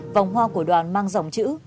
vòng hoa của đoàn mang dòng chữ